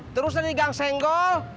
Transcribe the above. terus dari gang senggol